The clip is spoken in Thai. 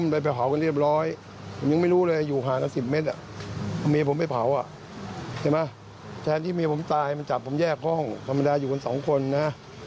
แล้วก็ทำกับผมทำอย่างไรบ้างค่ะ